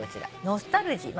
「ノスタルジー」